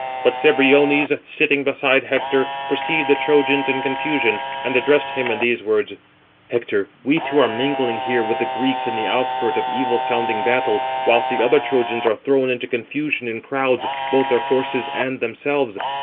But Cebriones, sitting beside Hector, perceived the Trojans in confusion, and addressed him in [these] words: "Hector, we two are mingling here with the Greeks in the outskirt of evil sounding battle, whilst the other Trojans are thrown into confusion in crowds, both their horses and themselves.